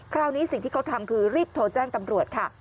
คราวนี้สิ่งที่เขาทำคือรีบโทรแจ้งตำรวจค่ะ